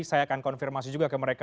saya akan konfirmasi juga ke mereka